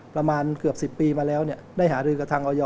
ประมาณเกือบ๑๐ปีมาแล้วได้หารือกับทางออย